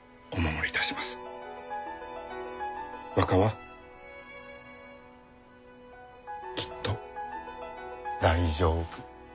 若はきっと大丈夫。